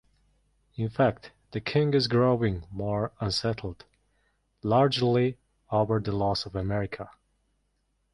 In fact, the King is growing more unsettled, largely over the loss of America.